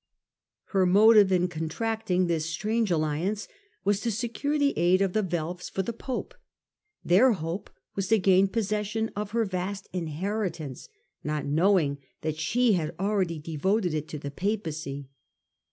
Her motive in contracting this strange alliance wsib to secure the aid of the Welfs for the pope ; their hope was to gain possession of her vast inheritance, not knowing that she had already devoted it to the Papacy.